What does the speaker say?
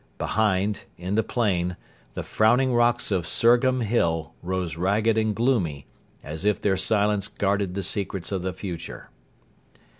Behind, in the plain, the frowning rocks of Surgham Hill rose ragged and gloomy, as if their silence guarded the secrets of the future.